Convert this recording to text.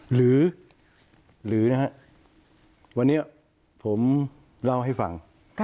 หรือนะฮะวันนี้ผมเล่าให้ฟัง